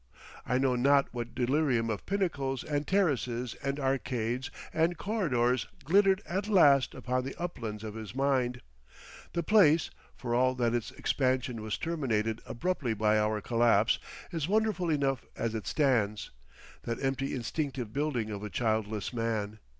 I know not what delirium of pinnacles and terraces and arcades and corridors glittered at last upon the uplands of his mind; the place, for all that its expansion was terminated abruptly by our collapse, is wonderful enough as it stands,—that empty instinctive building of a childless man.